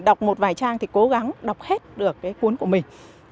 đọc một vài trang thì cố gắng đọc hết được cái cuốn của mình